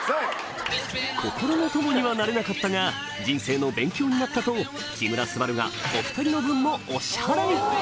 心の友にはなれなかったが人生の勉強になったと木村昴がお２人の分もお支払い！